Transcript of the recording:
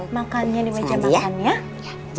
makannya di meja makan ya